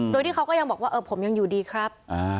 โดยที่เขาก็ยังบอกว่าผมยังอยู่ดีครับ